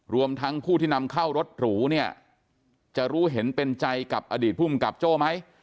รวมทั้งผู้ที่นำเข้ารถหรูเนี่ยจะรู้เห็นเป็นใจกับอดีตภูมิกับโจ้ไหม